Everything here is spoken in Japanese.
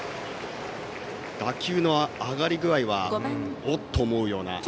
打球の上がり具合はお！と思うような